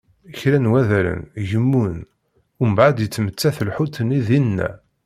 Kra n wadalen, gemmun umbeεed yettmettat lḥut-nni dinna.